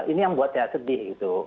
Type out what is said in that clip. ini yang buat saya sedih gitu